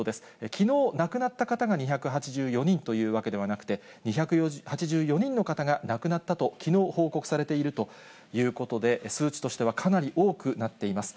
きのう亡くなった方が２８４人というわけではなくて、２８４人の方がなくなったと、きのう報告されているということで、数値としては、かなり多くなっています。